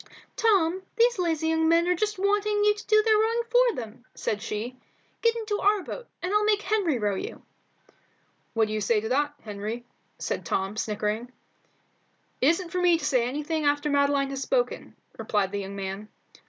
"Tom, these lazy young men are just wanting you to do their rowing for them," said she. "Get into our boat, and I'll make Henry row you." "What do you say to that, Henry?" said Tom, snickering. "It isn't for me to say anything after Madeline has spoken," replied the young man.